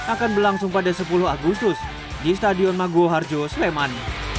akan berlangsung pada sepuluh agustus di stadion maguoharjo sleman